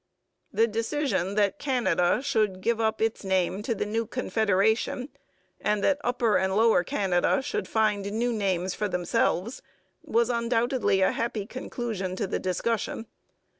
The decision that Canada should give up its name to the new Confederation and that Upper and Lower Canada should find new names for themselves was undoubtedly a happy conclusion to the discussion.